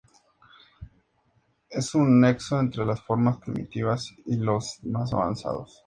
Es un nexo entre las formas primitivas y los más avanzados.